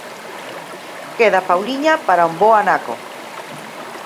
Queda Pauliña para un bo anaco.